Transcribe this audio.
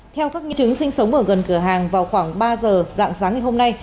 theo các nghiên cứu sinh sống ở gần cửa hàng vào khoảng ba giờ giảng sáng ngày hôm nay